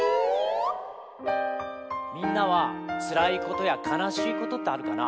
「みんなはつらいことやかなしいことってあるかな？